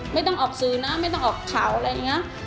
ไม่ต้องออกสื่อนะไม่ต้องออกข่าวอะไรอย่างนี้